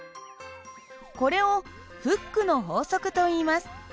これをフックの法則といいます。